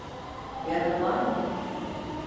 Yaralı var mı?